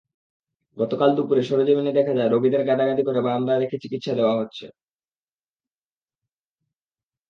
গতকাল দুপুরে সরেজমিনে দেখা যায়, রোগীদের গাদাগাদি করে বারান্দায় রেখে চিকিৎসা দেওয়া হচ্ছে।